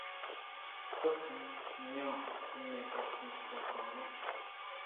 Kpɛkun n ɲannin kasiɛnfuɛ kpanngban.